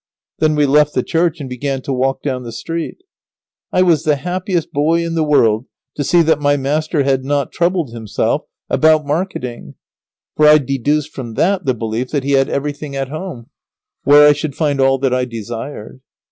Then we left the church and began to walk down the street. I was the happiest boy in the world to see that my master had not troubled himself about marketing, for I deduced from that the belief that he had everything at home, where I should find all that I desired.